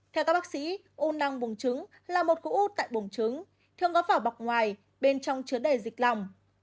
theo các bác sĩ u năng buồng trứng là một cụ u tại buồng trứng thường có phảo bọc ngoài bên trong chứa đầy dịch lòng